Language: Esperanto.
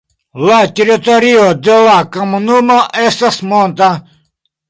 La teritorio de la komunumo estas monta.